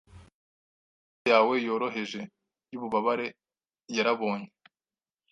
amaso yawe yoroheje yububabare yarabonye